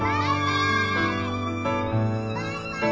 バイバイ。